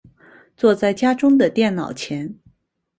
坐在家中的电脑前